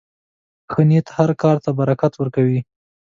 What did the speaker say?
ښه نیت هر کار ته برکت ورکوي.